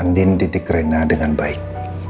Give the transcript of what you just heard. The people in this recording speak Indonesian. andin titik rena dengan baik